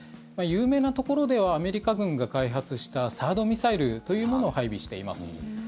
有名なところではアメリカ軍が開発したＴＨＡＡＤミサイルというものを配備しています。